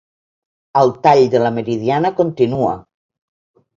El tall de la Meridiana continua